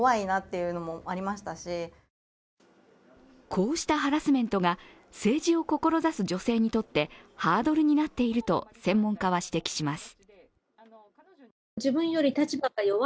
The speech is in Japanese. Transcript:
こうしたハラスメントが政治を志す女性にとってハードルになっていると専門家は指摘します。